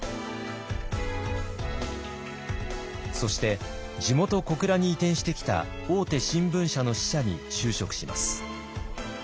そして地元・小倉に移転してきた大手新聞社の支社に就職します。